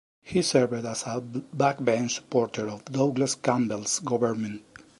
He served as a backbench supporter of Douglas Campbell's government.